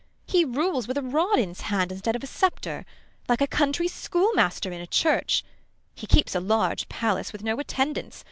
he rules With a rod in's hand instead of a sceptre, Like a country school master in a church ; He keeps a large palace with no attendants.